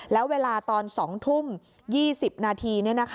แล้วเวลาตอน๒ทุ่ม๒๐นาที